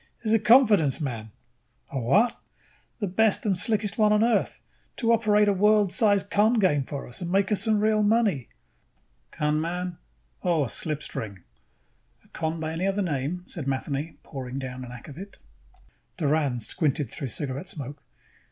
is a confidence man." "A what?" "The best and slickest one on Earth, to operate a world size con game for us and make us some real money." "Con man? Oh. A slipstring." "A con by any other name," said Matheny, pouring down an akvavit. Doran squinted through cigarette smoke.